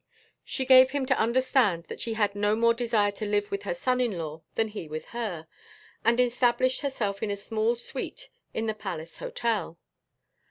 She gave him to understand that she had no more desire to live with her son in law than he with her, and established herself in a small suite in the Palace Hotel.